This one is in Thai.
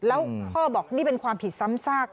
แล้วพ่อบอกนี่เป็นความผิดซ้ำซาก